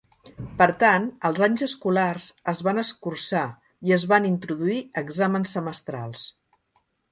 Per tant, els anys escolars es van escurçar i es van introduir exàmens semestrals.